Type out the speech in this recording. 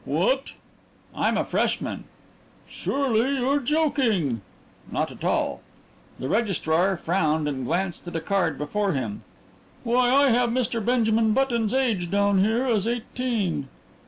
"What!" "I'm a freshman." "Surely you're joking." "Not at all." The registrar frowned and glanced at a card before him. "Why, I have Mr. Benjamin Button's age down here as eighteen."